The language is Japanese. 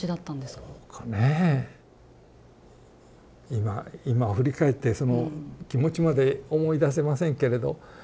今今振り返ってその気持ちまで思い出せませんけれど。